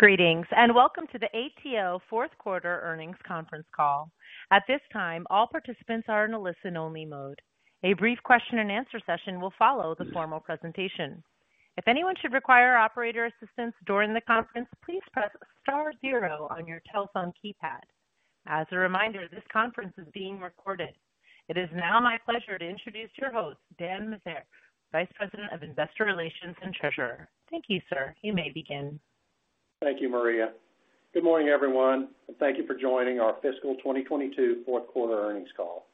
Greetings, and welcome to the ATO fourth quarter earnings conference call. At this time, all participants are in a listen-only mode. A brief question-and-answer session will follow the formal presentation. If anyone should require operator assistance during the conference, please press star zero on your telephone keypad. As a reminder, this conference is being recorded. It is now my pleasure to introduce your host, Dan Meziere, Vice President of Investor Relations and Treasurer. Thank you, sir. You may begin. Thank you, Maria. Good morning, everyone, and thank you for joining our fiscal 2022 fourth quarter earnings call.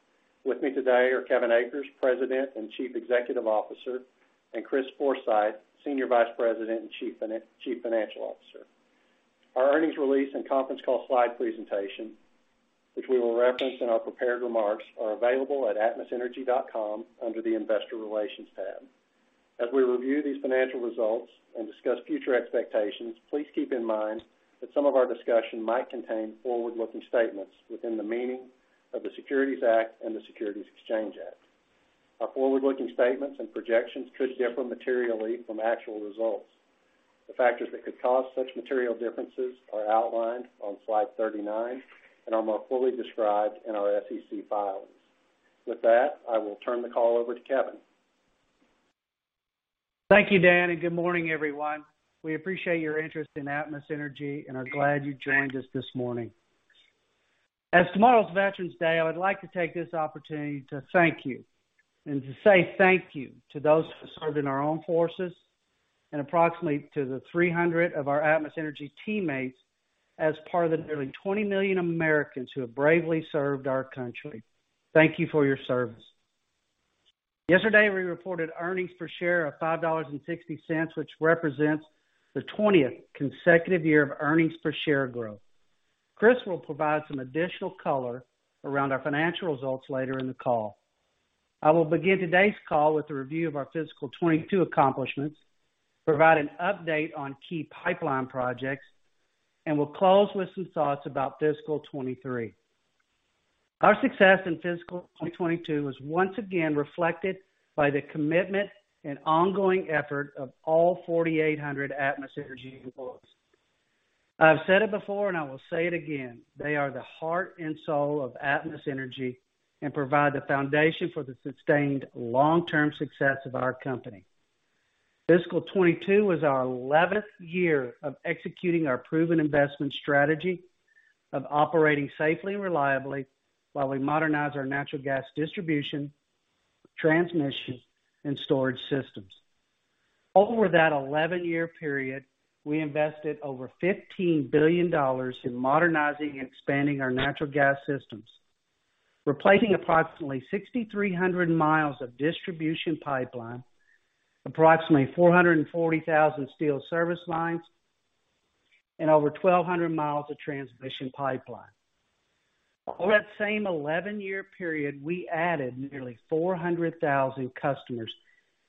With me today are Kevin Akers, President and Chief Executive Officer, and Chris Forsythe, Senior Vice President and Chief Financial Officer. Our earnings release and conference call slide presentation, which we will reference in our prepared remarks, are available at atmosenergy.com under the Investor Relations tab. As we review these financial results and discuss future expectations, please keep in mind that some of our discussion might contain forward-looking statements within the meaning of the Securities Act and the Securities Exchange Act. Our forward-looking statements and projections could differ materially from actual results. The factors that could cause such material differences are outlined on slide 39 and are more fully described in our SEC filings. With that, I will turn the call over to Kevin. Thank you, Dan, and good morning, everyone. We appreciate your interest in Atmos Energy and are glad you joined us this morning. As tomorrow's Veterans Day, I would like to take this opportunity to thank you and to say thank you to those who served in our own forces and approximately 300 of our Atmos Energy teammates as part of the nearly 20 million Americans who have bravely served our country. Thank you for your service. Yesterday, we reported earnings per share of $5.60, which represents the twentieth consecutive year of earnings per share growth. Chris will provide some additional color around our financial results later in the call. I will begin today's call with a review of our fiscal 2022 accomplishments, provide an update on key pipeline projects, and we'll close with some thoughts about fiscal 2023. Our success in fiscal 2022 was once again reflected by the commitment and ongoing effort of all 4,800 Atmos Energy employees. I've said it before and I will say it again, they are the heart and soul of Atmos Energy and provide the foundation for the sustained long-term success of our company. Fiscal 2022 was our 11th year of executing our proven investment strategy of operating safely and reliably while we modernize our natural gas distribution, transmission, and storage systems. Over that 11-year period, we invested over $15 billion in modernizing and expanding our natural gas systems, replacing approximately 6,300 miles of distribution pipeline, approximately 440,000 steel service lines, and over 1,200 miles of transmission pipeline. Over that same 11-year period, we added nearly 400,000 customers,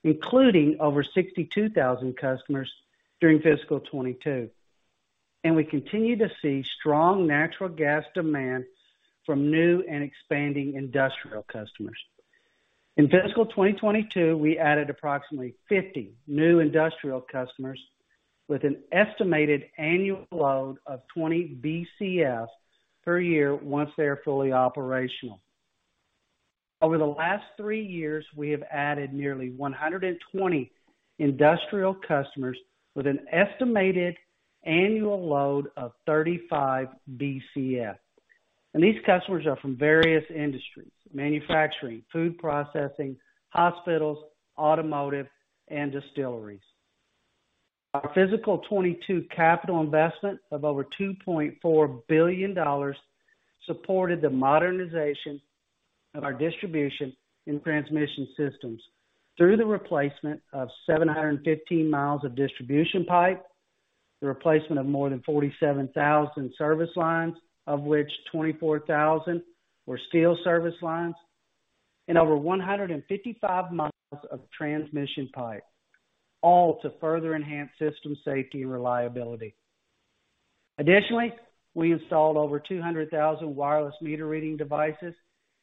including over 62,000 customers during fiscal 2022, and we continue to see strong natural gas demand from new and expanding industrial customers. In fiscal 2022, we added approximately 50 new industrial customers with an estimated annual load of 20 BCF per year once they are fully operational. Over the last three years, we have added nearly 120 industrial customers with an estimated annual load of 35 BCF. These customers are from various industries, manufacturing, food processing, hospitals, automotive, and distilleries. Our fiscal 2022 capital investment of over $2.4 billion supported the modernization of our distribution and transmission systems through the replacement of 715 miles of distribution pipe, the replacement of more than 47,000 service lines, of which 24,000 were steel service lines, and over 155 miles of transmission pipe, all to further enhance system safety and reliability. Additionally, we installed over 200,000 wireless meter reading devices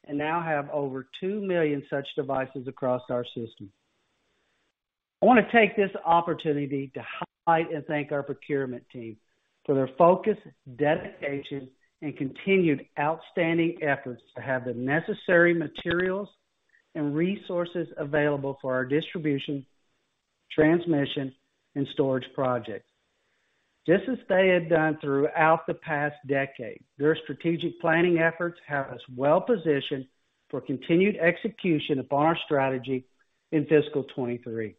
and now have over 2 million such devices across our system. I wanna take this opportunity to highlight and thank our procurement team for their focus, dedication, and continued outstanding efforts to have the necessary materials and resources available for our distribution, transmission, and storage projects. Just as they have done throughout the past decade, their strategic planning efforts have us well positioned for continued execution of our strategy in fiscal 2023.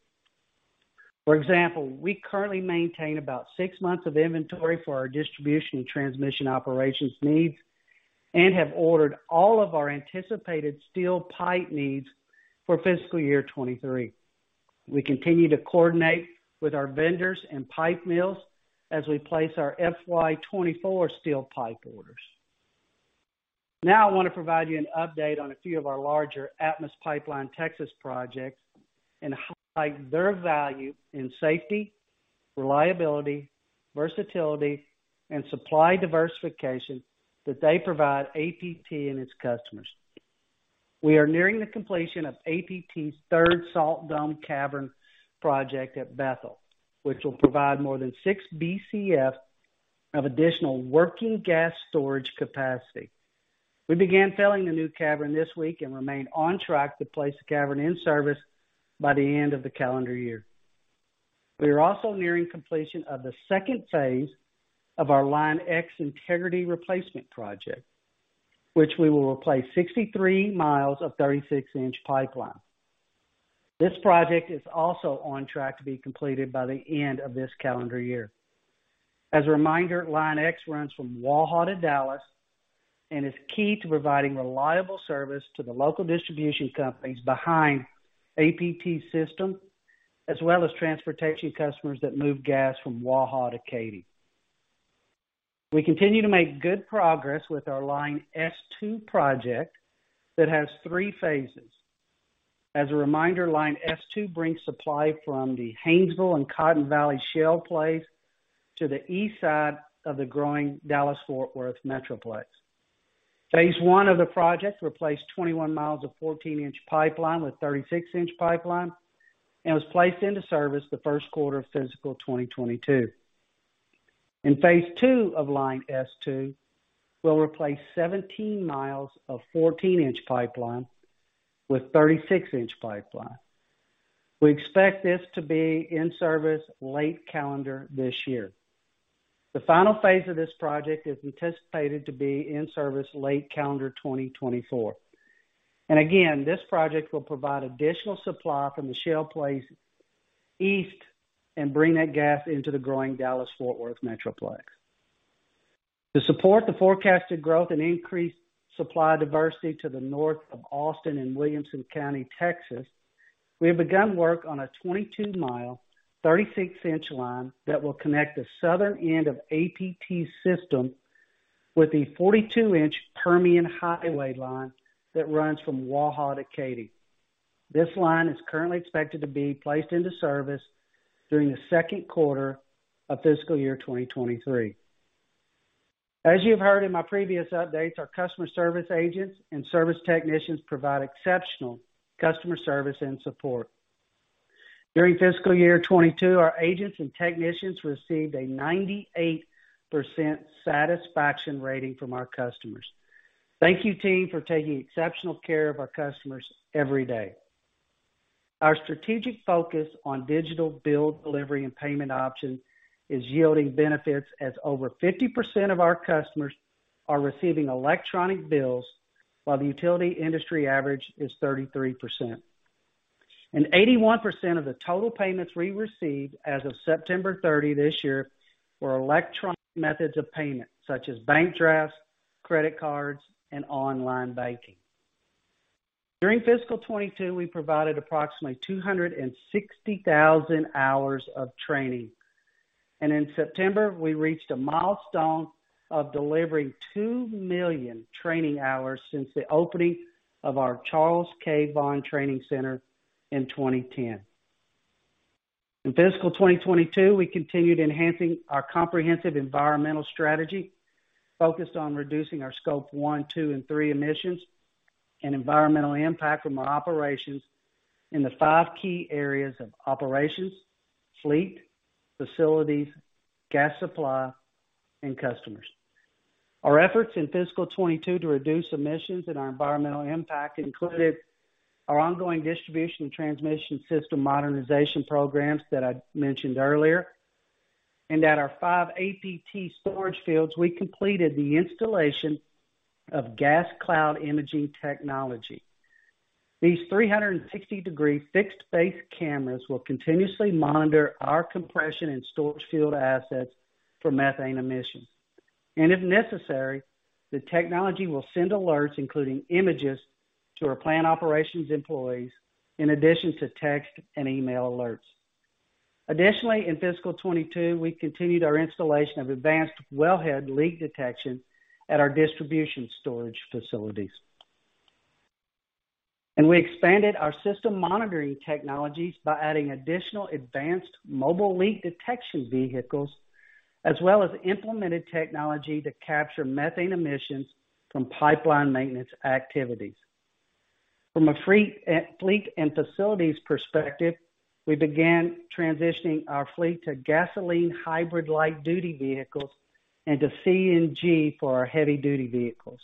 For example, we currently maintain about six months of inventory for our distribution and transmission operations needs and have ordered all of our anticipated steel pipe needs for fiscal year 2023. We continue to coordinate with our vendors and pipe mills as we place our FY 2024 steel pipe orders. Now, I want to provide you an update on a few of our larger Atmos Pipeline-Texas projects and highlight their value in safety, reliability, versatility, and supply diversification that they provide APT and its customers. We are nearing the completion of APT's third salt dome cavern project at Bethel, which will provide more than 6 BCF of additional working gas storage capacity. We began filling the new cavern this week and remain on track to place the cavern in service by the end of the calendar year. We are also nearing completion of the second phase of our Line X integrity replacement project, which we will replace 63 miles of 36-inch pipeline. This project is also on track to be completed by the end of this calendar year. As a reminder, Line X runs from Waha to Dallas and is key to providing reliable service to the local distribution companies behind APT system as well as transportation customers that move gas from Waha to Katy. We continue to make good progress with our Line S-2 project that has three phases. As a reminder, Line S-2 brings supply from the Haynesville and Cotton Valley Shale plays to the east side of the growing Dallas-Fort Worth Metroplex. Phase one of the project replaced 21 miles of 14-inch pipeline with 36-inch pipeline and was placed into service the first quarter of fiscal 2022. In phase two of Line S-2, we'll replace 17 miles of 14-inch pipeline with 36-inch pipeline. We expect this to be in service late this calendar year. The final phase of this project is anticipated to be in service late calendar 2024. This project will provide additional supply from the shale plays east and bring that gas into the growing Dallas-Fort Worth Metroplex. To support the forecasted growth and increased supply diversity to the north of Austin and Williamson County, Texas, we have begun work on a 22-mile, 36-inch line that will connect the southern end of APT system with the 42-inch Permian Highway Pipeline that runs from Waha to Katy. This line is currently expected to be placed into service during the second quarter of fiscal year 2023. As you have heard in my previous updates, our customer service agents and service technicians provide exceptional customer service and support. During fiscal year 2022, our agents and technicians received a 98% satisfaction rating from our customers. Thank you, team, for taking exceptional care of our customers every day. Our strategic focus on digital bill delivery and payment options is yielding benefits as over 50% of our customers are receiving electronic bills, while the utility industry average is 33%. Eighty-one percent of the total payments we received as of September 30th this year were electronic methods of payment, such as bank drafts, credit cards, and online banking. During fiscal 2022, we provided approximately 260,000 hours of training, and in September, we reached a milestone of delivering 2 million training hours since the opening of our Charles K. Vaughn Training Center in 2010. In fiscal 2022, we continued enhancing our comprehensive environmental strategy focused on reducing our scope 1, 2, and 3 emissions and environmental impact from our operations in the five key areas of operations, fleet, facilities, gas supply, and customers. Our efforts in fiscal 2022 to reduce emissions and our environmental impact included our ongoing distribution and transmission system modernization programs that I mentioned earlier. At our five APT storage fields, we completed the installation of gas cloud imaging technology. These 360-degree fixed-based cameras will continuously monitor our compression and storage field assets for methane emissions. If necessary, the technology will send alerts, including images, to our plant operations employees in addition to text and email alerts. Additionally, in fiscal 2022, we continued our installation of advanced wellhead leak detection at our distribution storage facilities. We expanded our system monitoring technologies by adding additional advanced mobile leak detection vehicles, as well as implemented technology to capture methane emissions from pipeline maintenance activities. From a fleet and facilities perspective, we began transitioning our fleet to gasoline hybrid light-duty vehicles and to CNG for our heavy-duty vehicles.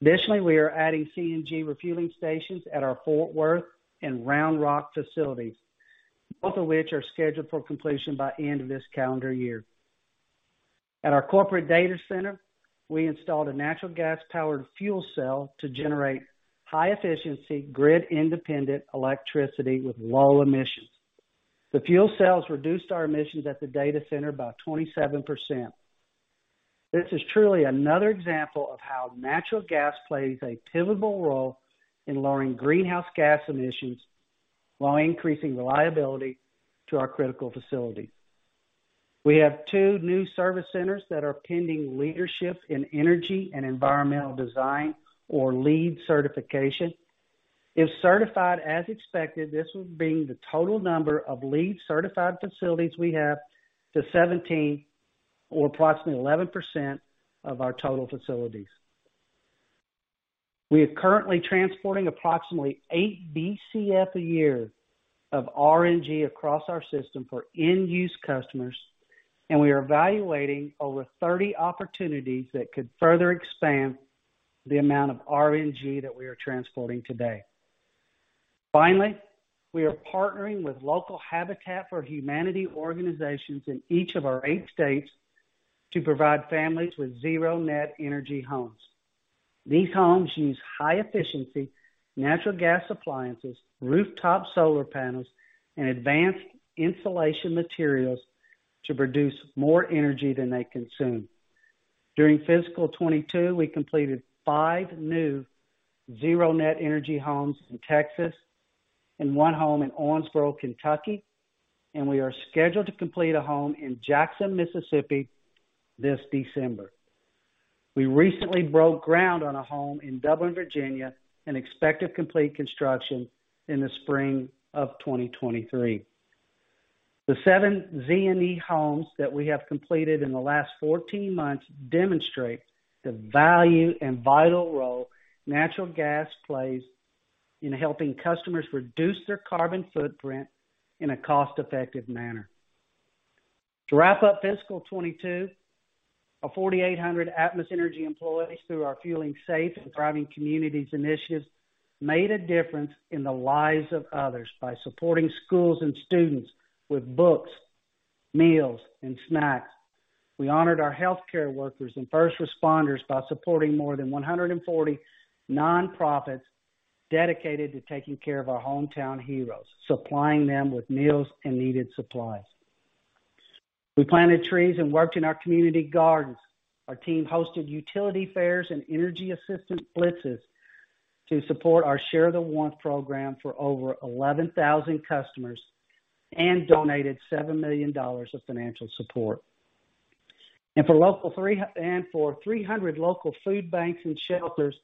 Additionally, we are adding CNG refueling stations at our Fort Worth and Round Rock facilities, both of which are scheduled for completion by end of this calendar year. At our corporate data center, we installed a natural gas-powered fuel cell to generate high-efficiency, grid-independent electricity with low emissions. The fuel cells reduced our emissions at the data center by 27%. This is truly another example of how natural gas plays a pivotal role in lowering greenhouse gas emissions while increasing reliability to our critical facilities. We have two new service centers that are pending Leadership in Energy and Environmental Design or LEED certification. If certified as expected, this would bring the total number of LEED certified facilities we have to 17 or approximately 11% of our total facilities. We are currently transporting approximately 8 BCF a year of RNG across our system for end-use customers, and we are evaluating over 30 opportunities that could further expand the amount of RNG that we are transporting today. Finally, we are partnering with local Habitat for Humanity organizations in each of our eight states to provide families with zero net energy homes. These homes use high efficiency natural gas appliances, rooftop solar panels, and advanced insulation materials to produce more energy than they consume. During fiscal 2022, we completed five new zero net energy homes in Texas and one home in Owensboro, Kentucky, and we are scheduled to complete a home in Jackson, Mississippi, this December. We recently broke ground on a home in Dublin, Virginia, and expect to complete construction in the spring of 2023. The 7 ZNE homes that we have completed in the last 14 months demonstrate the value and vital role natural gas plays in helping customers reduce their carbon footprint in a cost-effective manner. To wrap up fiscal 2022, our 4,800 Atmos Energy employees, through our Fueling Safe and Thriving Communities initiatives, made a difference in the lives of others by supporting schools and students with books, meals, and snacks. We honored our healthcare workers and first responders by supporting more than 140 nonprofits dedicated to taking care of our hometown heroes, supplying them with meals and needed supplies. We planted trees and worked in our community gardens. Our team hosted utility fairs and energy assistance blitzes to support our Sharing the Warmth program for over 11,000 customers and donated $7 million of financial support. For 300 local food banks and shelters,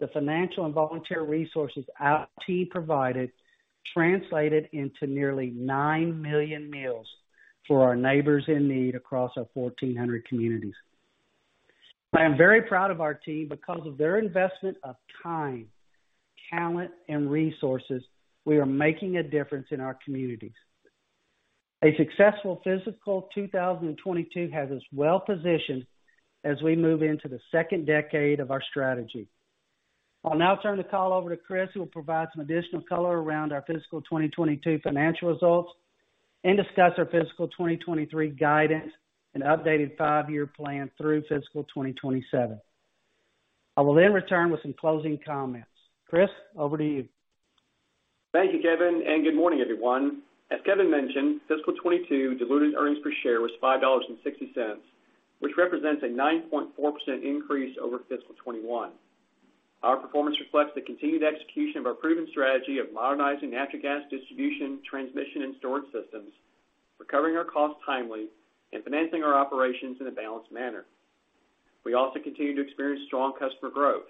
the financial and volunteer resources our team provided translated into nearly 9 million meals for our neighbors in need across our 1,400 communities. I am very proud of our team. Because of their investment of time, talent, and resources, we are making a difference in our communities. A successful fiscal 2022 has us well positioned as we move into the second decade of our strategy. I'll now turn the call over to Chris, who will provide some additional color around our fiscal 2022 financial results and discuss our fiscal 2023 guidance and updated five-year plan through fiscal 2027. I will then return with some closing comments. Chris, over to you. Thank you, Kevin, and good morning, everyone. As Kevin mentioned, fiscal 2022 diluted earnings per share was $5.60, which represents a 9.4% increase over fiscal 2021. Our performance reflects the continued execution of our proven strategy of modernizing natural gas distribution, transmission, and storage systems, recovering our costs timely, and financing our operations in a balanced manner. We also continue to experience strong customer growth,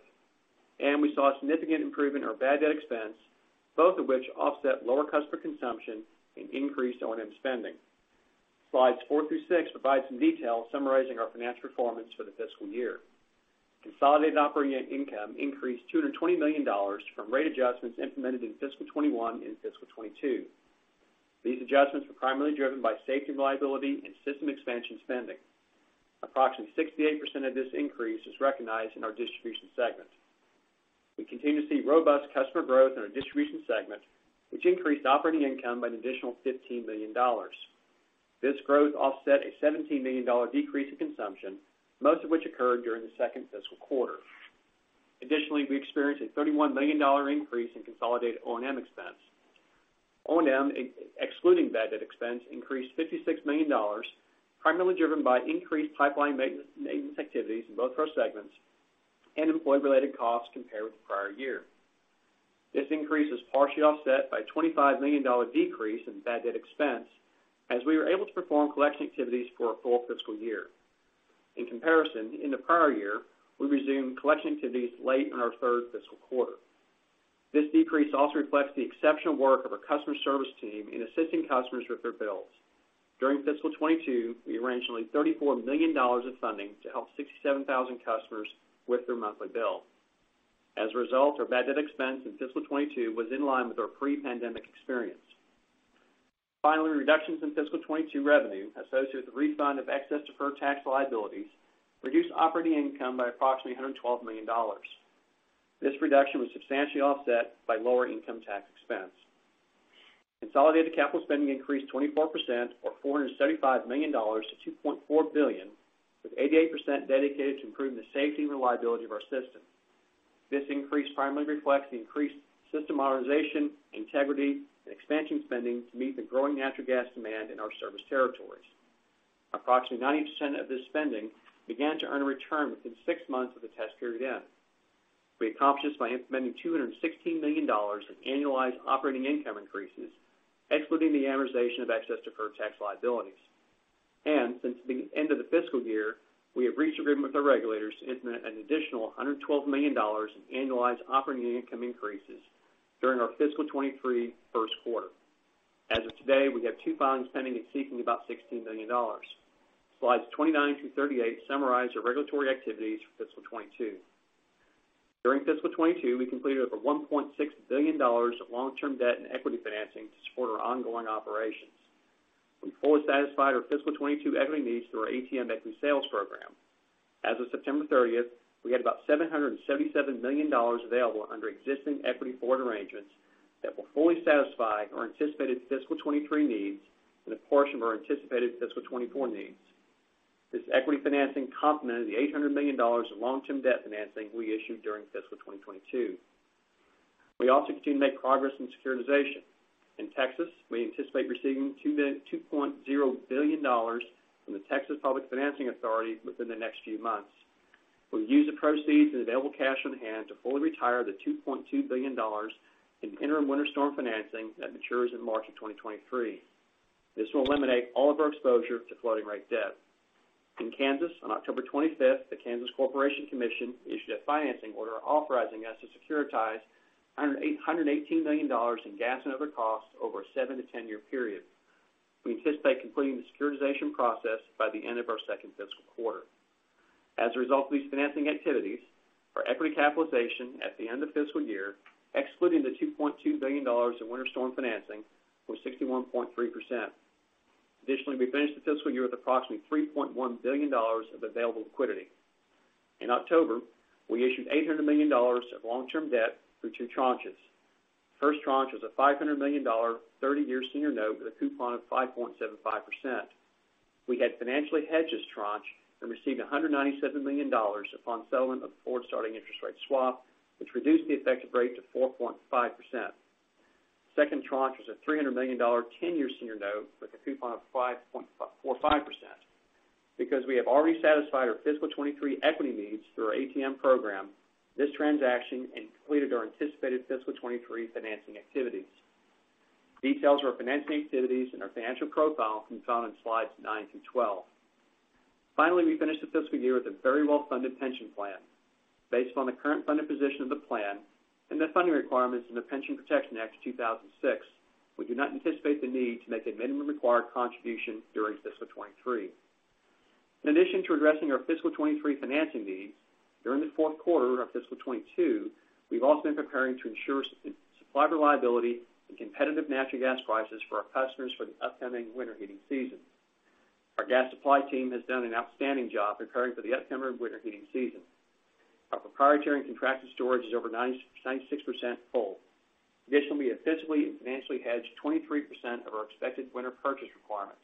and we saw a significant improvement in our bad debt expense, both of which offset lower customer consumption and increased O&M spending. Slides four through six provide some detail summarizing our financial performance for the fiscal year. Consolidated operating income increased $220 million from rate adjustments implemented in fiscal 2021 and fiscal 2022. These adjustments were primarily driven by safety, reliability, and system expansion spending. Approximately 68% of this increase is recognized in our distribution segment. We continue to see robust customer growth in our distribution segment, which increased operating income by an additional $15 million. This growth offset a $17 million decrease in consumption, most of which occurred during the second fiscal quarter. Additionally, we experienced a $31 million increase in consolidated O&M expense. O&M, excluding bad debt expense, increased $56 million, primarily driven by increased pipeline maintenance activities in both of our segments and employee-related costs compared with the prior year. This increase is partially offset by a $25 million decrease in bad debt expense, as we were able to perform collection activities for a full fiscal year. In comparison, in the prior year, we resumed collection activities late in our third fiscal quarter. This decrease also reflects the exceptional work of our customer service team in assisting customers with their bills. During fiscal 2022, we arranged nearly $34 million of funding to help 67,000 customers with their monthly bill. As a result, our bad debt expense in fiscal 2022 was in line with our pre-pandemic experience. Finally, reductions in fiscal 2022 revenue associated with the refund of excess deferred tax liabilities reduced operating income by approximately $112 million. This reduction was substantially offset by lower income tax expense. Consolidated capital spending increased 24% or $475 million to $2.4 billion, with 88% dedicated to improving the safety and reliability of our system. This increase primarily reflects the increased system authorization, integrity, and expansion spending to meet the growing natural gas demand in our service territories. Approximately 90% of this spending began to earn a return within six months of the test period end. We accomplished this by implementing $216 million in annualized operating income increases, excluding the amortization of excess deferred tax liabilities. Since the end of the fiscal year, we have reached agreement with our regulators to implement an additional $112 million in annualized operating income increases during our fiscal 2023 first quarter. As of today, we have two filings pending and seeking about $16 billion. Slides 29 through 38 summarize our regulatory activities for fiscal 2022. During fiscal 2022, we completed over $1.6 billion of long-term debt and equity financing to support our ongoing operations. We fully satisfied our fiscal 2022 equity needs through our ATM equity sales program. As of September 30th, we had about $777 million available under existing equity forward arrangements that will fully satisfy our anticipated fiscal 2023 needs and a portion of our anticipated fiscal 2024 needs. This equity financing complemented the $800 million of long-term debt financing we issued during fiscal 2022. We also continue to make progress in securitization. In Texas, we anticipate receiving $2.0 billion from the Texas Public Finance Authority within the next few months. We'll use the proceeds and available cash on hand to fully retire the $2.2 billion in interim winter storm financing that matures in March 2023. This will eliminate all of our exposure to floating rate debt. In Kansas, on October 25th, the Kansas Corporation Commission issued a financing order authorizing us to securitize $188 million in gas and other costs over a seven, 10-year period. We anticipate completing the securitization process by the end of our second fiscal quarter. As a result of these financing activities, our equity capitalization at the end of fiscal year, excluding the $2.2 billion in winter storm financing, was 61.3%. Additionally, we finished the fiscal year with approximately $3.1 billion of available liquidity. In October, we issued $800 million of long-term debt through two tranches. First tranche was a $500 million 30-year senior note with a coupon of 5.75%. We had financially hedged this tranche and received $197 million upon settlement of the forward starting interest rate swap, which reduced the effective rate to 4.5%. Second tranche was a $300 million 10-year senior note with a coupon of 5.45%. Because we have already satisfied our fiscal 2023 equity needs through our ATM program, this transaction completed our anticipated fiscal 2023 financing activities. Details of our financing activities and our financial profile can be found on slides nine to 12. Finally, we finished the fiscal year with a very well-funded pension plan. Based on the current funded position of the plan and the funding requirements in the Pension Protection Act of 2006, we do not anticipate the need to make a minimum required contribution during fiscal 2023. In addition to addressing our fiscal 2023 financing needs, during the fourth quarter of fiscal 2022, we've also been preparing to ensure supply reliability and competitive natural gas prices for our customers for the upcoming winter heating season. Our gas supply team has done an outstanding job preparing for the upcoming winter heating season. Our proprietary and contracted storage is over 96% full. Additionally, we have physically and financially hedged 23% of our expected winter purchase requirements.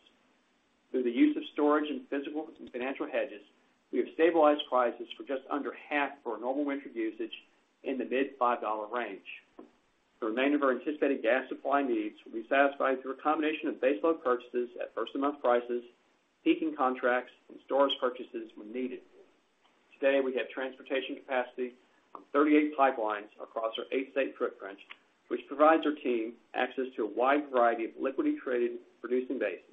Through the use of storage and physical and financial hedges, we have stabilized prices for just under half of our normal winter usage in the mid-$5 range. The remainder of our anticipated gas supply needs will be satisfied through a combination of baseload purchases at first-of-month prices, peaking contracts, and storage purchases when needed. Today, we have transportation capacity on 38 pipelines across our eight-state footprint, which provides our team access to a wide variety of liquidity traded producing basins.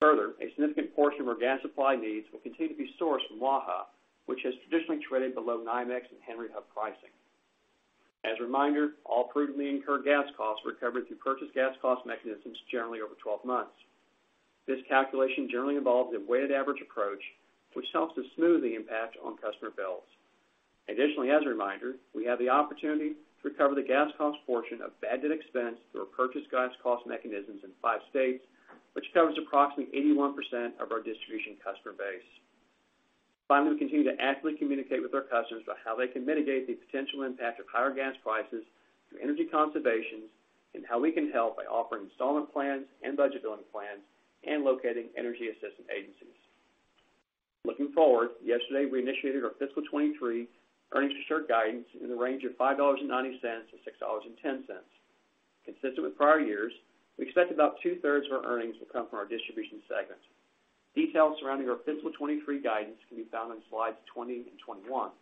Further, a significant portion of our gas supply needs will continue to be sourced from Waha, which has traditionally traded below NYMEX and Henry Hub pricing. As a reminder, all provenly incurred gas costs were recovered through purchase gas cost mechanisms generally over 12 months. This calculation generally involves a weighted average approach, which helps to smooth the impact on customer bills. Additionally, as a reminder, we have the opportunity to recover the gas cost portion of bad debt expense through our purchase gas cost mechanisms in five states, which covers approximately 81% of our distribution customer base. Finally, we continue to actively communicate with our customers about how they can mitigate the potential impact of higher gas prices through energy conservations, and how we can help by offering installment plans and budget billing plans and locating energy assistance agencies. Looking forward, yesterday, we initiated our fiscal 2023 earnings per share guidance in the range of $5.90-$6.10. Consistent with prior years, we expect about two-thirds of our earnings will come from our distribution segment. Details surrounding our fiscal 2023 guidance can be found on slides 20 and 21.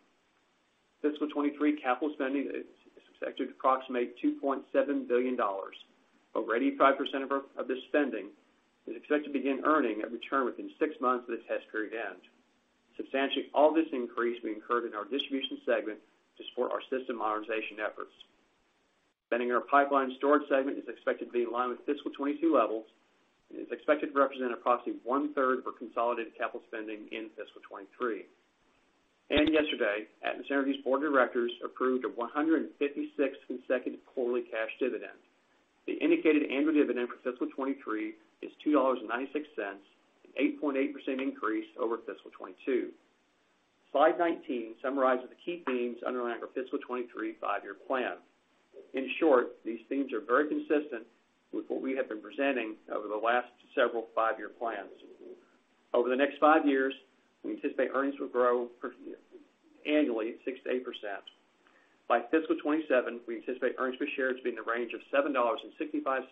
Fiscal 2023 capital spending is expected to approximate $2.7 billion. Over 85% of this spending is expected to begin earning a return within six months of this test period end. Substantially all this increase will be incurred in our distribution segment to support our system modernization efforts. Spending in our pipeline storage segment is expected to be in line with fiscal 2022 levels, and is expected to represent approximately one-third of our consolidated capital spending in fiscal 2023. Yesterday, Atmos Energy's board of directors approved our 156th consecutive quarterly cash dividend. The indicated annual dividend for fiscal 2023 is $2.96, an 8.8% increase over fiscal 2022. Slide 19 summarizes the key themes underlying our fiscal 2023 five-year plan. In short, these themes are very consistent with what we have been presenting over the last several five-year plans. Over the next five years, we anticipate earnings will grow annually at 6%-8%. By fiscal 2027, we anticipate earnings per share to be in the range of $7.65-$8.05.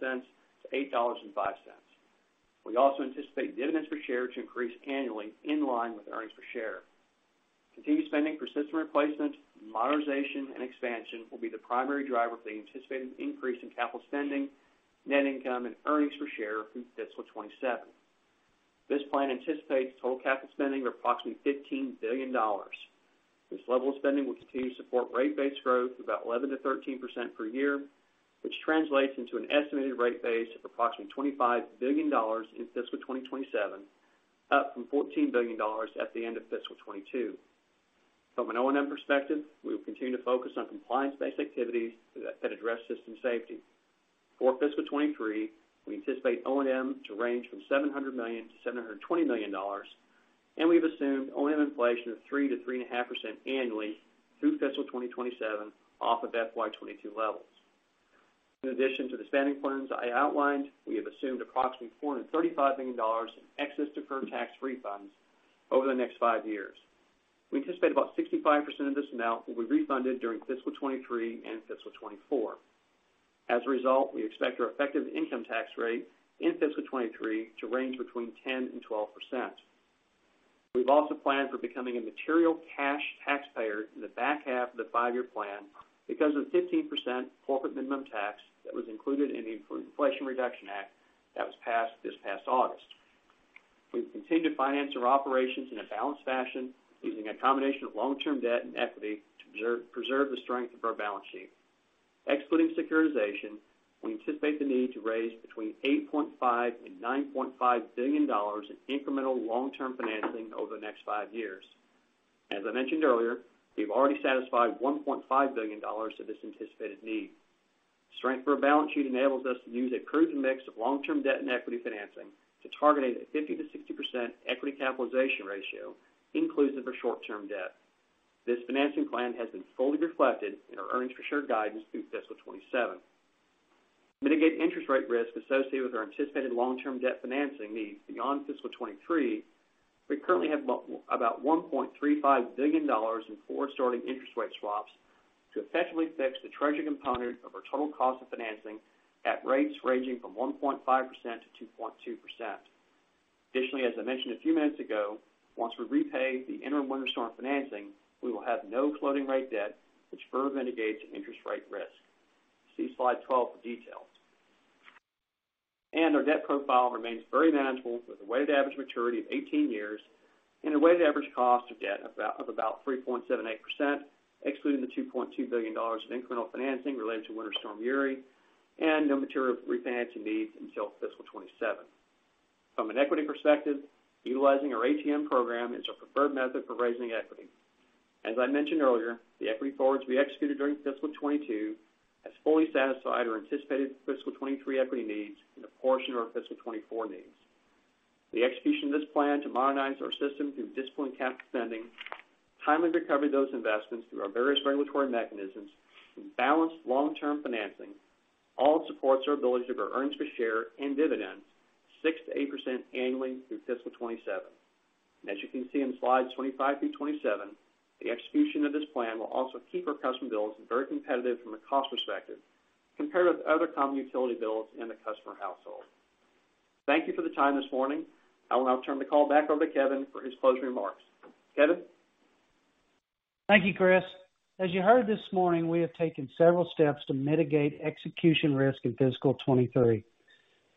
We also anticipate dividends per share to increase annually in line with earnings per share. Continued spending for system replacement, modernization, and expansion will be the primary driver for the anticipated increase in capital spending, net income, and earnings per share through fiscal 2027. This plan anticipates total capital spending of approximately $15 billion. This level of spending will continue to support rate base growth of about 11%-13% per year, which translates into an estimated rate base of approximately $25 billion in fiscal 2027, up from $14 billion at the end of fiscal 2022. From an O&M perspective, we will continue to focus on compliance-based activities that address system safety. For fiscal 2023, we anticipate O&M to range from $700 million-$720 million, and we've assumed O&M inflation of 3%-3.5% annually through fiscal 2027 off of FY 2022 levels. In addition to the spending plans I outlined, we have assumed approximately $435 million in excess deferred tax refunds over the next five years. We anticipate about 65% of this amount will be refunded during fiscal 2023 and fiscal 2024. As a result, we expect our effective income tax rate in fiscal 2023 to range between 10%-12%. We've also planned for becoming a material cash taxpayer in the back half of the five-year plan because of the 15% corporate minimum tax that was included in the Inflation Reduction Act that was passed this past August. We've continued to finance our operations in a balanced fashion using a combination of long-term debt and equity to preserve the strength of our balance sheet. Excluding securitization, we anticipate the need to raise between $8.5 billion and $9.5 billion in incremental long-term financing over the next five years. As I mentioned earlier, we've already satisfied $1.5 billion of this anticipated need. Strength for our balance sheet enables us to use a proven mix of long-term debt and equity financing to target a 50%-60% equity capitalization ratio inclusive of short-term debt. This financing plan has been fully reflected in our earnings per share guidance through fiscal 2027. Mitigating interest rate risk associated with our anticipated long-term debt financing needs beyond fiscal 2023, we currently have about $1.35 billion in forward starting interest rate swaps to effectively fix the treasury component of our total cost of financing at rates ranging from 1.5% to 2.2%. Additionally, as I mentioned a few minutes ago, once we repay the interim winter storm financing, we will have no floating rate debt, which further mitigates interest rate risk. See slide 12 for details. Our debt profile remains very manageable with a weighted average maturity of 18 years and a weighted average cost of debt of about 3.78%, excluding the $2.2 billion of incremental financing related to Winter Storm Uri and no material refinancing needs until fiscal 2027. From an equity perspective, utilizing our ATM program is our preferred method for raising equity. As I mentioned earlier, the equity forward to be executed during fiscal 2022 has fully satisfied our anticipated fiscal 2023 equity needs and a portion of our fiscal 2024 needs. The execution of this plan to modernize our system through disciplined capital spending, timely recovery of those investments through our various regulatory mechanisms, and balanced long-term financing all supports our ability to grow earnings per share and dividends 6%-8% annually through fiscal 2027. As you can see in slides 25 through 27, the execution of this plan will also keep our customer bills very competitive from a cost perspective compared with other common utility bills in the customer household. Thank you for the time this morning. I will now turn the call back over to Kevin for his closing remarks. Kevin? Thank you, Chris. As you heard this morning, we have taken several steps to mitigate execution risk in fiscal 2023.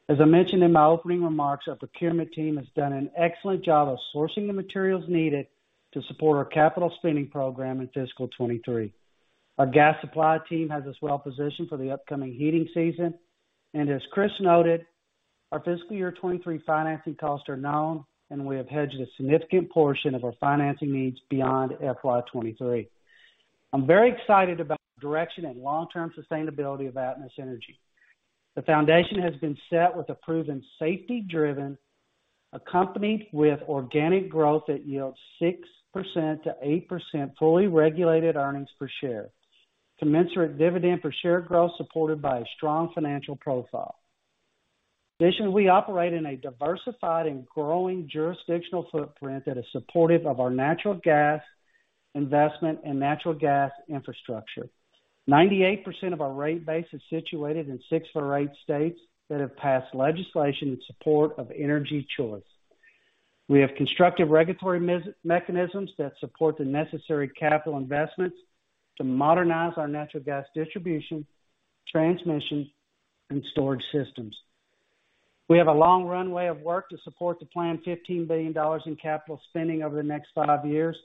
As I mentioned in my opening remarks, our procurement team has done an excellent job of sourcing the materials needed to support our capital spending program in fiscal 2023. Our gas supply team has us well positioned for the upcoming heating season. As Chris noted, our fiscal year 2023 financing costs are known, and we have hedged a significant portion of our financing needs beyond FY 2023. I'm very excited about the direction and long-term sustainability of Atmos Energy. The foundation has been set with a proven safety-driven, accompanied with organic growth that yields 6%-8% fully regulated earnings per share, commensurate dividend per share growth supported by a strong financial profile. Additionally, we operate in a diversified and growing jurisdictional footprint that is supportive of our natural gas investment and natural gas infrastructure. 98% of our rate base is situated in six of the eight states that have passed legislation in support of energy choice. We have constructive regulatory mechanisms that support the necessary capital investments to modernize our natural gas distribution, transmission, and storage systems. We have a long runway of work to support the planned $15 billion in capital spending over the next five years.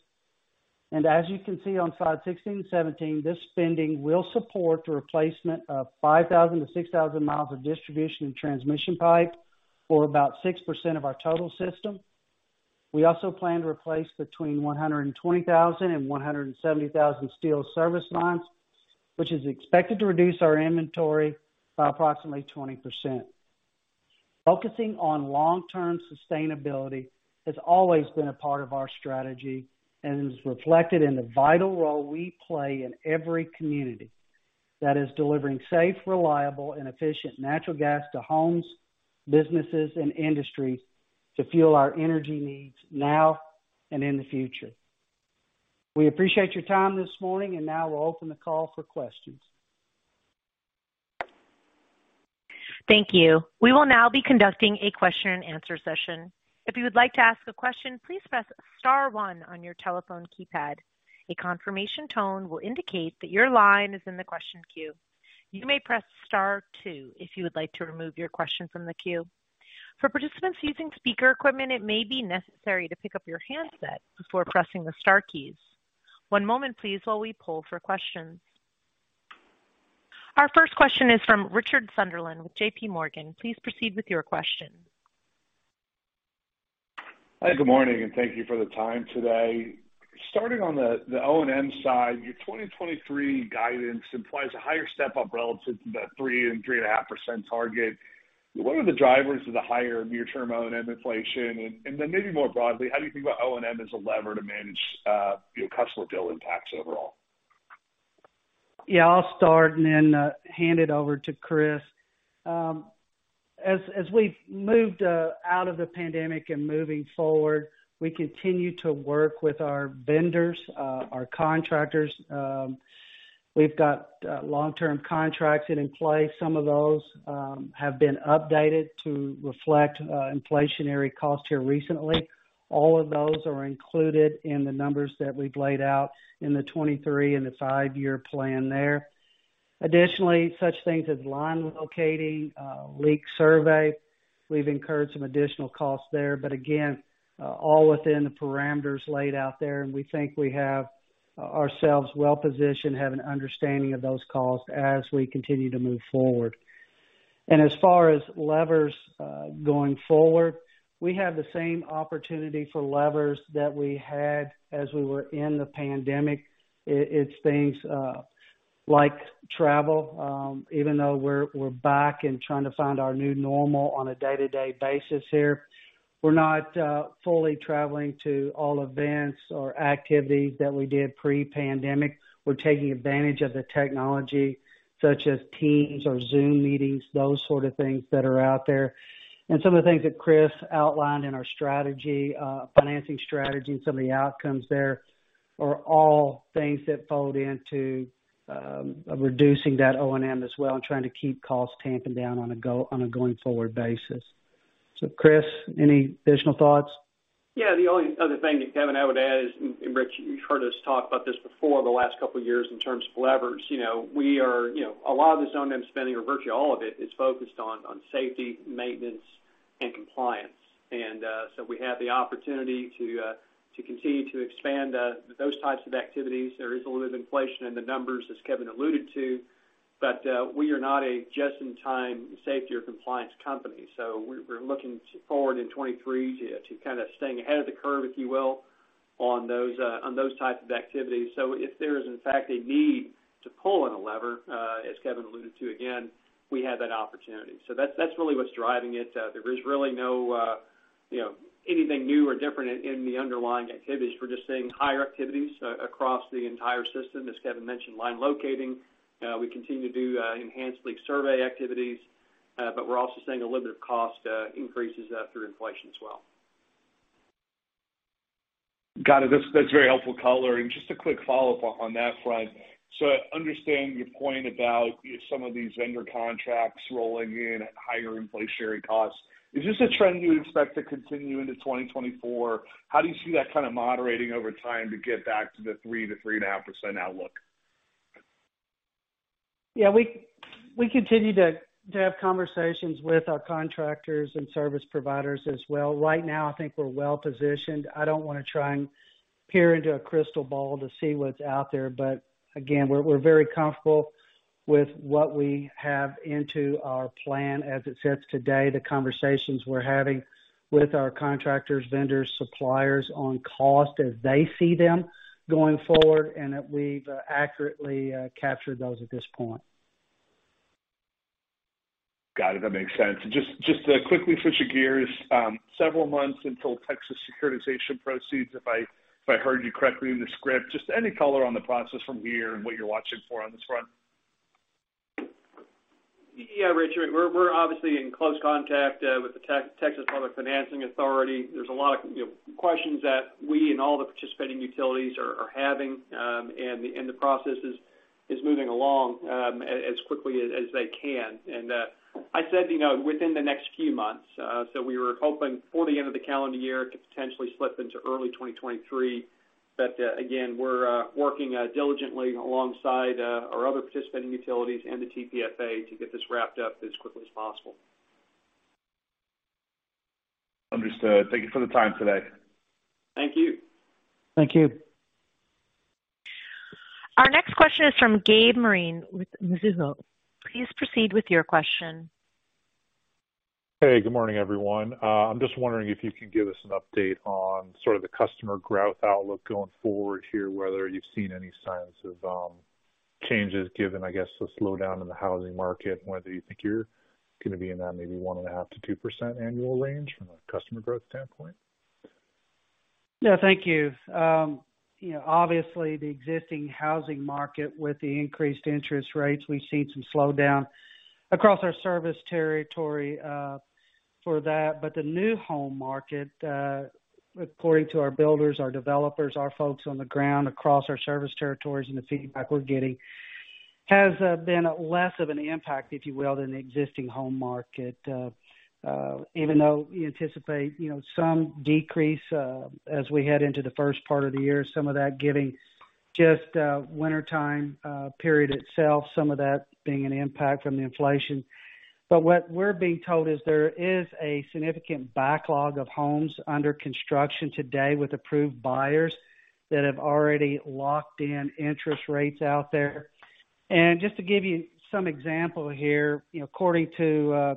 As you can see on slide 16 and 17, this spending will support the replacement of 5,000-6,000 miles of distribution and transmission pipe, or about 6% of our total system. We also plan to replace between 120,000 and 170,000 steel service lines, which is expected to reduce our inventory by approximately 20%. Focusing on long-term sustainability has always been a part of our strategy and is reflected in the vital role we play in every community that is delivering safe, reliable, and efficient natural gas to homes, businesses, and industries to fuel our energy needs now and in the future. We appreciate your time this morning, and now we'll open the call for questions. Thank you. We will now be conducting a question-and-answer session. If you would like to ask a question, please press star one on your telephone keypad. A confirmation tone will indicate that your line is in the question queue. You may press star two if you would like to remove your question from the queue. For participants using speaker equipment, it may be necessary to pick up your handset before pressing the star keys. One moment please while we poll for questions. Our first question is from Richard Sunderland with J.P. Morgan. Please proceed with your question. Hi, good morning, and thank you for the time today. Starting on the O&M side, your 2023 guidance implies a higher step up relative to the 3%-3.5% target. What are the drivers of the higher near-term O&M inflation? Maybe more broadly, how do you think about O&M as a lever to manage your customer bill impacts overall? Yeah, I'll start and then hand it over to Chris. As we've moved out of the pandemic and moving forward, we continue to work with our vendors, our contractors. We've got long-term contracts that in play. Some of those have been updated to reflect inflationary costs here recently. All of those are included in the numbers that we've laid out in the 2023 and the five-year plan there. Additionally, such things as line locating, leak survey, we've incurred some additional costs there, but again, all within the parameters laid out there. We think we have ourselves well-positioned, have an understanding of those costs as we continue to move forward. As far as levers going forward, we have the same opportunity for levers that we had as we were in the pandemic. It's things like travel, even though we're back and trying to find our new normal on a day-to-day basis here. We're not fully traveling to all events or activities that we did pre-pandemic. We're taking advantage of the technology such as Teams or Zoom meetings, those sort of things that are out there. Some of the things that Chris outlined in our strategy, financing strategy and some of the outcomes there are all things that fold into reducing that O&M as well and trying to keep costs tamped down on a going-forward basis. Chris, any additional thoughts? Yeah. The only other thing that, Kevin, I would add is and Rich, you've heard us talk about this before the last couple of years in terms of levers. You know, we are, you know, a lot of this O&M spending or virtually all of it is focused on safety, maintenance, and compliance. We have the opportunity to continue to expand those types of activities. There is a little bit of inflation in the numbers, as Kevin alluded to, but we are not a just-in-time safety or compliance company. We're looking forward in 2023 to kind of staying ahead of the curve, if you will, on those types of activities. If there is in fact a need to pull on a lever, as Kevin alluded to, again, we have that opportunity. That's really what's driving it. There is really no, you know, anything new or different in the underlying activities. We're just seeing higher activities across the entire system. As Kevin mentioned, line locating. We continue to do enhanced leak survey activities, but we're also seeing a little bit of cost increases through inflation as well. Got it. That's very helpful color. Just a quick follow-up on that front. I understand your point about some of these vendor contracts rolling in at higher inflationary costs. Is this a trend you would expect to continue into 2024? How do you see that kind of moderating over time to get back to the 3%-3.5% outlook? Yeah, we continue to have conversations with our contractors and service providers as well. Right now, I think we're well-positioned. I don't wanna try and peer into a crystal ball to see what's out there. Again, we're very comfortable with what we have into our plan as it sits today. The conversations we're having with our contractors, vendors, suppliers on cost as they see them going forward, and that we've accurately captured those at this point. Got it. That makes sense. Just to quickly switch gears, several months until Texas securitization proceeds, if I heard you correctly in the script. Just any color on the process from here and what you're watching for on this front. Yeah, Richard, we're obviously in close contact with the Texas Public Finance Authority. There's a lot of, you know, questions that we and all the participating utilities are having, and the process is moving along as quickly as they can. I said, you know, within the next few months, so we were hoping for the end of the calendar year. It could potentially slip into early 2023. We're working diligently alongside our other participating utilities and the TPFA to get this wrapped up as quickly as possible. Understood. Thank you for the time today. Thank you. Thank you. Our next question is from Gabe Moreen with Mizuho. Please proceed with your question. Hey, good morning, everyone. I'm just wondering if you could give us an update on sort of the customer growth outlook going forward here, whether you've seen any signs of changes given, I guess, the slowdown in the housing market. Whether you think you're gonna be in that maybe 1.5%-2% annual range from a customer growth standpoint. Yeah, thank you. You know, obviously the existing housing market with the increased interest rates, we've seen some slowdown across our service territory. The new home market, according to our builders, our developers, our folks on the ground across our service territories, and the feedback we're getting has been less of an impact, if you will, than the existing home market. Even though we anticipate, you know, some decrease as we head into the first part of the year, some of that given just wintertime period itself, some of that being an impact from the inflation. What we're being told is there is a significant backlog of homes under construction today with approved buyers that have already locked in interest rates out there. Just to give you some example here, you know, according to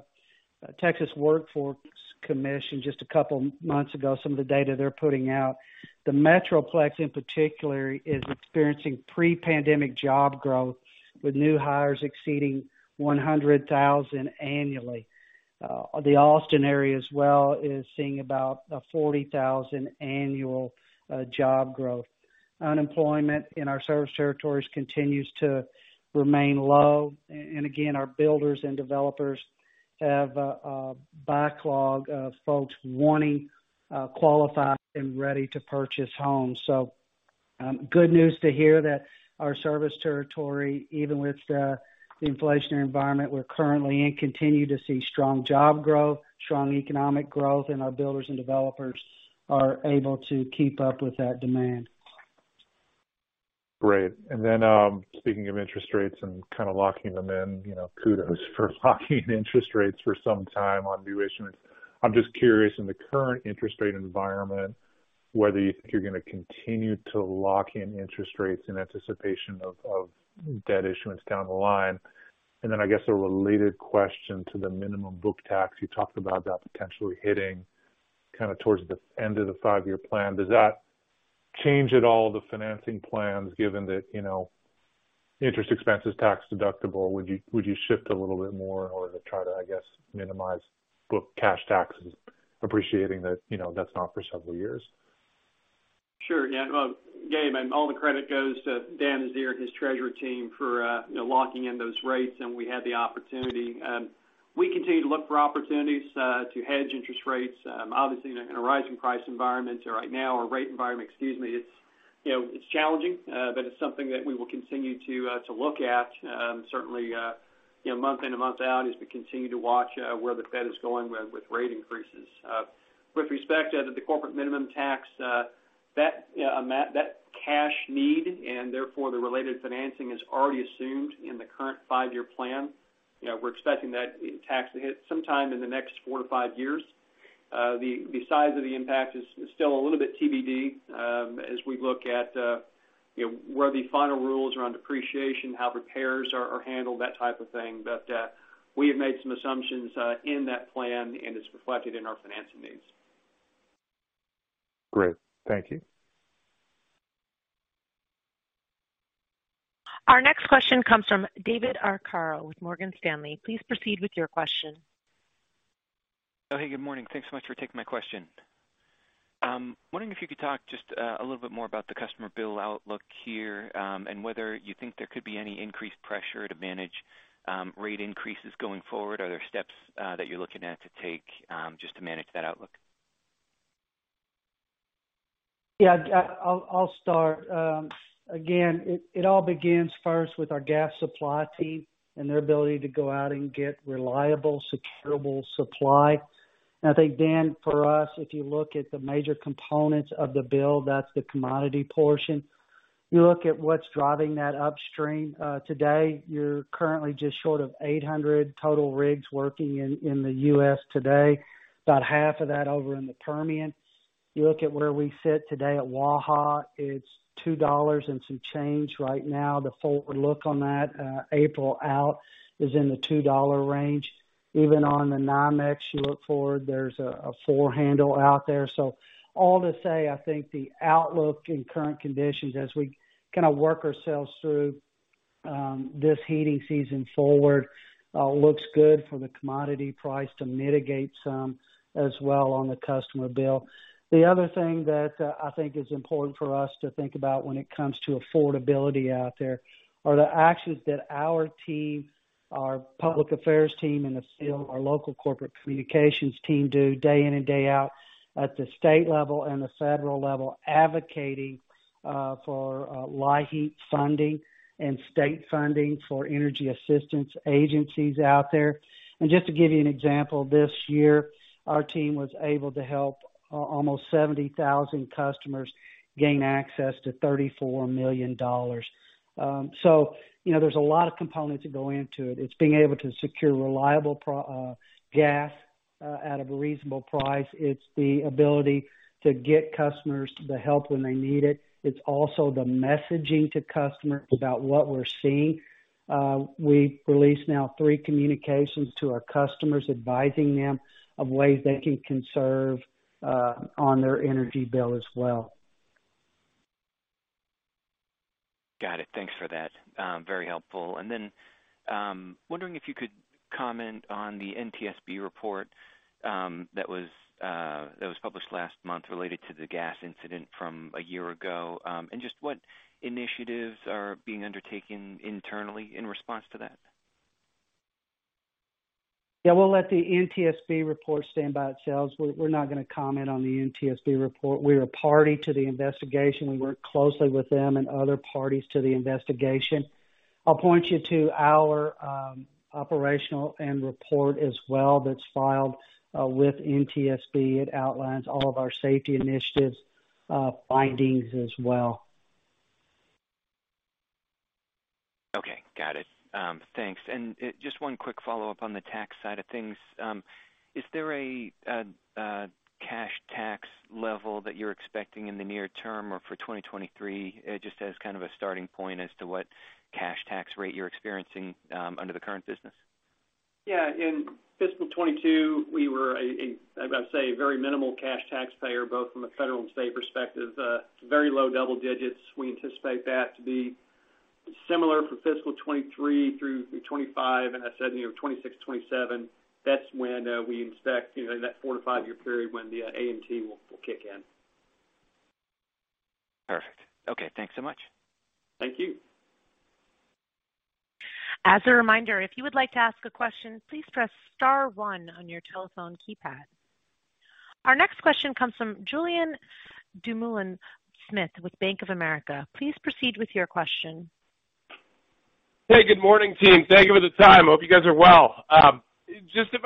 Texas Workforce Commission just a couple months ago, some of the data they're putting out, the Metroplex in particular is experiencing pre-pandemic job growth, with new hires exceeding 100,000 annually. The Austin area as well is seeing about a 40,000 annual job growth. Unemployment in our service territories continues to remain low. Our builders and developers have a backlog of folks wanting qualified and ready to purchase homes. Good news to hear that our service territory, even with the inflationary environment we're currently in, continue to see strong job growth, strong economic growth, and our builders and developers are able to keep up with that demand. Great. Speaking of interest rates and kind of locking them in, you know, kudos for locking interest rates for some time on new issuance. I'm just curious, in the current interest rate environment, whether you think you're gonna continue to lock in interest rates in anticipation of debt issuance down the line. I guess a related question to the minimum book tax. You talked about that potentially hitting kind of towards the end of the five-year plan. Does that change at all the financing plans given that, you know, interest expense is tax deductible? Would you shift a little bit more in order to try to, I guess, minimize book cash taxes, appreciating that, you know, that's not for several years? Sure. Yeah. Well, Gabe, I mean, all the credit goes to Dan Meziere and his treasury team for, you know, locking in those rates, and we had the opportunity. We continue to look for opportunities to hedge interest rates. Obviously in a rising price environment right now or rate environment, excuse me, it's, you know, it's challenging, but it's something that we will continue to look at, certainly, you know, month in and month out as we continue to watch where the Fed is going with rate increases. With respect to the corporate minimum tax, that Matt, that cash need and therefore the related financing is already assumed in the current five-year plan. You know, we're expecting that tax to hit sometime in the next four, five years. The size of the impact is still a little bit TBD, as we look at you know, where the final rules are on depreciation, how repairs are handled, that type of thing. We have made some assumptions in that plan, and it's reflected in our financing needs. Great. Thank you. Our next question comes from David Arcaro with Morgan Stanley. Please proceed with your question. Oh, hey, good morning. Thanks so much for taking my question. Wondering if you could talk just, a little bit more about the customer bill outlook here, and whether you think there could be any increased pressure to manage, rate increases going forward. Are there steps, that you're looking at to take, just to manage that outlook? Yeah. I'll start. Again, it all begins first with our gas supply team and their ability to go out and get reliable, securable supply. I think, Dan, for us, if you look at the major components of the bill, that's the commodity portion. You look at what's driving that upstream today, you're currently just short of 800 total rigs working in the US today, about half of that over in the Permian. You look at where we sit today at Waha, it's $2 and some change right now. The forward look on that, April out, is in the $2 range. Even on the NYMEX, you look forward, there's a four handle out there. All to say, I think the outlook in current conditions as we kind of work ourselves through this heating season forward looks good for the commodity price to mitigate some as well on the customer bill. The other thing that I think is important for us to think about when it comes to affordability out there are the actions that our team, our public affairs team, and the field, our local corporate communications team do day in and day out at the state level and the federal level, advocating for LIHEAP funding and state funding for energy assistance agencies out there. Just to give you an example, this year our team was able to help almost 70,000 customers gain access to $34 million. So, you know, there's a lot of components that go into it. It's being able to secure reliable gas at a reasonable price. It's the ability to get customers the help when they need it. It's also the messaging to customers about what we're seeing. We released now three communications to our customers advising them of ways they can conserve on their energy bill as well. Got it. Thanks for that. Very helpful. Wondering if you could comment on the NTSB report that was published last month related to the gas incident from a year ago. Just what initiatives are being undertaken internally in response to that? Yeah, we'll let the NTSB report stand by itself. We're not gonna comment on the NTSB report. We're a party to the investigation. We work closely with them and other parties to the investigation. I'll point you to our operations and safety report as well that's filed with NTSB. It outlines all of our safety initiatives, findings as well. Okay, got it. Thanks. Just one quick follow-up on the tax side of things. Is there a cash tax level that you're expecting in the near term or for 2023, just as kind of a starting point as to what cash tax rate you're experiencing under the current business? Yeah. In fiscal 2022, we were a I'd say a very minimal cash taxpayer, both from a federal and state perspective, very low double digits. We anticipate that to be similar for fiscal 2023 through 2025. I said, you know, 2026, 2027, that's when we expect, you know, in that four to five-year period when the AMT will kick in. Perfect. Okay, thanks so much. Thank you. As a reminder, if you would like to ask a question, please press star one on your telephone keypad. Our next question comes from Julien Dumoulin-Smith with Bank of America. Please proceed with your question. Hey, good morning, team. Thank you for the time. Hope you guys are well. Just if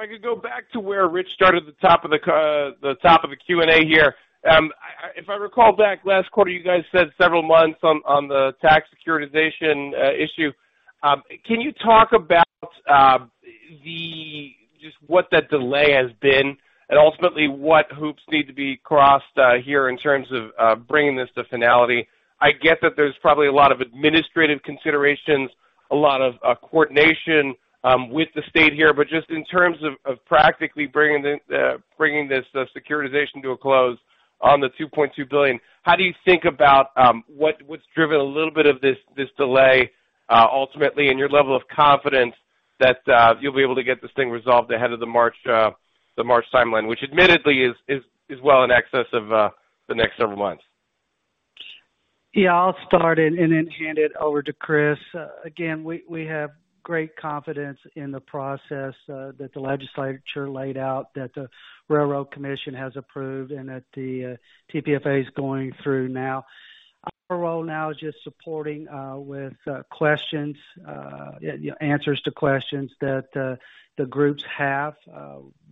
I could go back to where Rich started at the top of the Q&A here. If I recall back last quarter, you guys said several months on the tax securitization issue. Can you talk about just what that delay has been and ultimately what hoops need to be crossed here in terms of bringing this to finality? I get that there's probably a lot of administrative considerations, a lot of coordination with the state here. Just in terms of practically bringing this securitization to a close on the $2.2 billion, how do you think about what's driven a little bit of this delay ultimately, and your level of confidence that you'll be able to get this thing resolved ahead of the March timeline, which admittedly is well in excess of the next several months? Yeah, I'll start and then hand it over to Chris. Again, we have great confidence in the process that the legislature laid out, that the Railroad Commission has approved and that the TPFA is going through now. Our role now is just supporting with answers to questions that the groups have.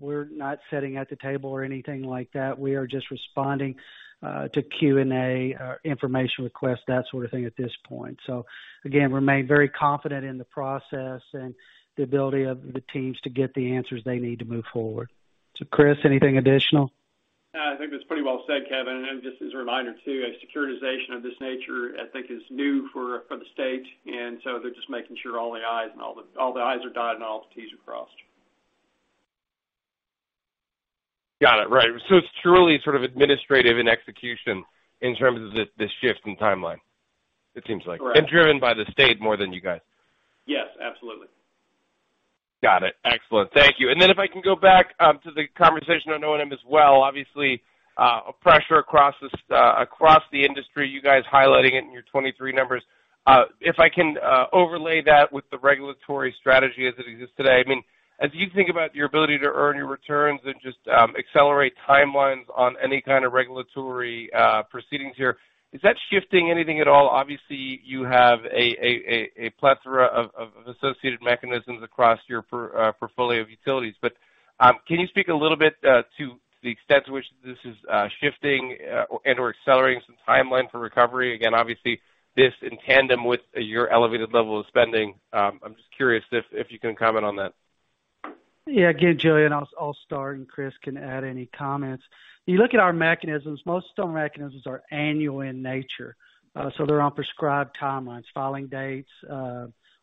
We're not sitting at the table or anything like that. We are just responding to Q&A or information requests, that sort of thing at this point. We remain very confident in the process and the ability of the teams to get the answers they need to move forward. Chris, anything additional? No, I think that's pretty well said, Kevin. Just as a reminder too, a securitization of this nature, I think is new for the state, and so they're just making sure all the i's are dotted and all the t's are crossed. Got it. Right. It's truly sort of administrative in execution in terms of the shift in timeline, it seems like. Right. Driven by the state more than you guys. Yes, absolutely. Got it. Excellent. Thank you. If I can go back to the conversation on O&M as well. Obviously, a pressure across the industry, you guys highlighting it in your 2023 numbers. If I can overlay that with the regulatory strategy as it exists today. I mean, as you think about your ability to earn your returns and just accelerate timelines on any kind of regulatory proceedings here, is that shifting anything at all? Obviously, you have a plethora of associated mechanisms across your portfolio of utilities. Can you speak a little bit to the extent to which this is shifting and/or accelerating some timeline for recovery? Again, obviously this in tandem with your elevated level of spending. I'm just curious if you can comment on that. Yeah. Again, Julien, I'll start and Chris can add any comments. You look at our mechanisms, most of mechanisms are annual in nature, so they're on prescribed timelines, filing dates,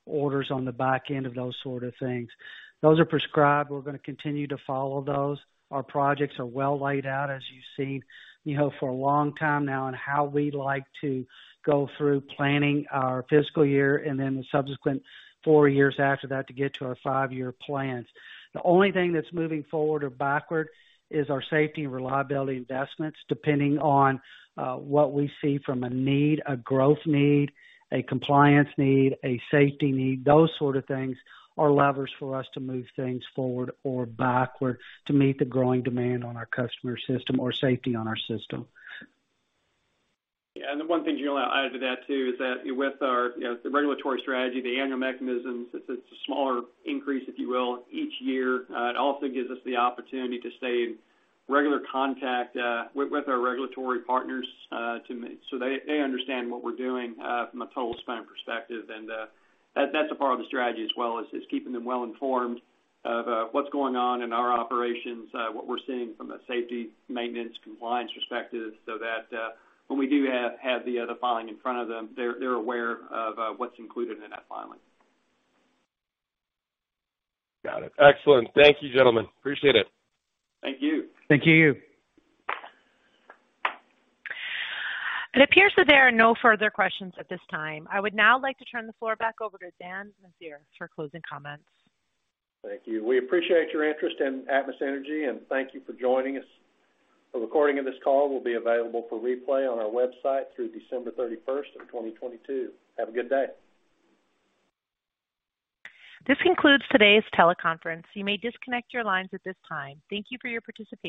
orders on the back end of those sort of things. Those are prescribed. We're gonna continue to follow those. Our projects are well laid out, as you've seen, you know, for a long time now on how we like to go through planning our fiscal year and then the subsequent four years after that to get to our five-year plans. The only thing that's moving forward or backward is our safety and reliability investments, depending on what we see from a need, a growth need, a compliance need, a safety need. Those sort of things are levers for us to move things forward or backward to meet the growing demand on our customer system or safety on our system. Yeah. The one thing, Julien, I'll add to that too is that with our, you know, the regulatory strategy, the annual mechanisms, it's a smaller increase, if you will, each year. It also gives us the opportunity to stay in regular contact with our regulatory partners so they understand what we're doing from a total spend perspective. That that's a part of the strategy as well is keeping them well informed of what's going on in our operations, what we're seeing from a safety, maintenance, compliance perspective, so that when we do have the filing in front of them, they're aware of what's included in that filing. Got it. Excellent. Thank you, gentlemen. Appreciate it. Thank you. Thank you. It appears that there are no further questions at this time. I would now like to turn the floor back over to Dan Meziere for closing comments. Thank you. We appreciate your interest in Atmos Energy, and thank you for joining us. A recording of this call will be available for replay on our website through December 31st, 2022. Have a good day. This concludes today's teleconference. You may disconnect your lines at this time. Thank you for your participation.